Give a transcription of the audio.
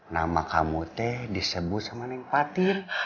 nama kamu teh disebut sama neng fatin